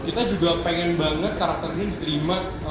kita juga pengen banget karakter ini diterima